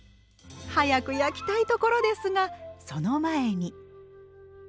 早く焼きたいところですがその前に。